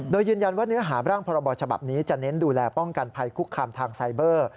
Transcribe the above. โดยยืนยันว่าเนื้อหาร่างพรบฉบับนี้จะเน้นดูแลป้องกันภัยคุกคามทางไซเบอร์